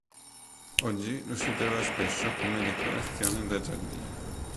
Oggi lo si trova spesso come decorazione da giardino.